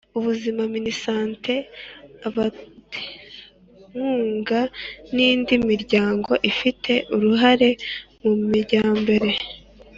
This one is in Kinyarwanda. ubuzima minisante abaterankunga n'indi miryango ifite uruhare mu majyambere